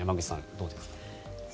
どうですか。